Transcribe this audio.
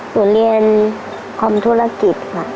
ผมเรียนคอมธุรกิจค่ะ